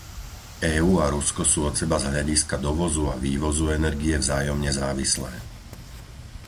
EÚ a Rusko sú od seba z hľadiska dovozu a vývozu energie vzájomne závislé.